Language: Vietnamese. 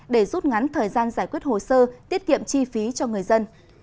để rút ngắn thời gian giải quyết hồ sơ tiết kiệm chi phí cho người dân